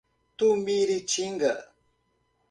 Tumiritinga